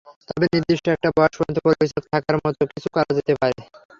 তবে নির্দিষ্ট একটা বয়স পর্যন্ত পরিচালক থাকার মতো কিছু করা যেতে পারে।